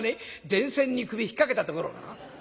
電線に首引っ掛けたところ」。